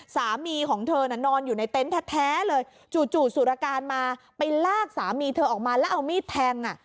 สามีของเธอน่ะนอนอยู่ในเต็นต์แท้เลยจู่สุรการมาไปลากสามีเธอออกมาแล้วเอามีดแทงอ่ะ